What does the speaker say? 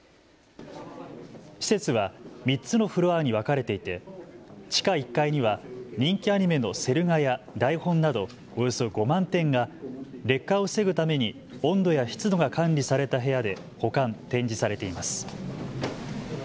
施設は３つのフロアに分かれていて地下１階には人気アニメのセル画や台本など、およそ５万点が劣化を防ぐために温度や湿度が管理された部屋で保管・展示されています。